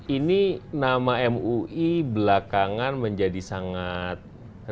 ini nama mui belakangan menjadi sangat riuh di perusahaan